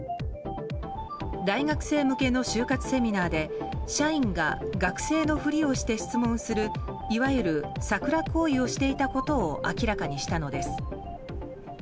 大学生向けの就活セミナーで社員が学生のふりをして質問するいわゆるサクラ行為をしていたことを明らかにしたのです。